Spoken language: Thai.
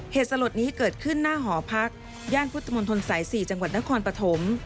สลดนี้เกิดขึ้นหน้าหอพักย่านพุทธมนตรสาย๔จังหวัดนครปฐม